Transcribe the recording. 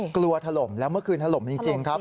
ถล่มแล้วเมื่อคืนถล่มจริงครับ